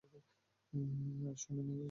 আর সময় নাই, আর উপায় নাই।